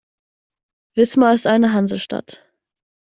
Wismar ist eine Hansestadt.